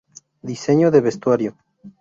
Diseño de Vestuario.